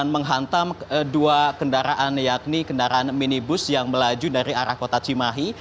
menghantam dua kendaraan yakni kendaraan minibus yang melaju dari arah kota cimahi